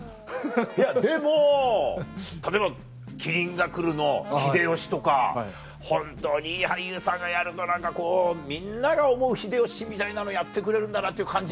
いやでも例えば『麒麟がくる』の秀吉とか本当にいい俳優さんがやるとみんなが思う秀吉みたいなのやってくれるんだなっていう感じ